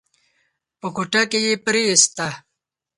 په کوټه کې يې پريېسته.